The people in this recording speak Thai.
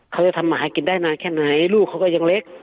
เขาจะทำมาหากินได้นานแค่ไหนลูกเขาก็ยังเล็ก